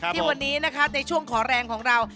ที่วันนี้นะคะในช่วงขอแรงของเรา